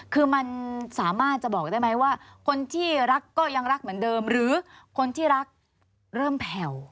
คือมันสามารถจะบอกได้ไหมว่าคนที่รักก็ยังรักเหมือนเดิมหรือคนที่รักเริ่มแผ่ว